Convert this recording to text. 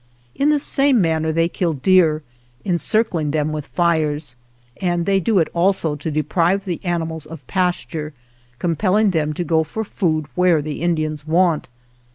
In the same manner they kill deer, encircling them with fires, and they do it also to deprive the animals of pasture, compelling them to go for food where the Indians want.